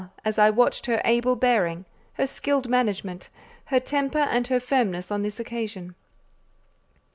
as I watched her able bearing, her skilled management, her temper and her firmness on this occasion.